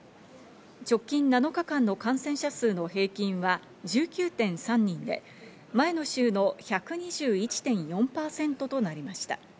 直近７日間の感染者数の平均は１９．３人で、前の週の１２１．４％となりました。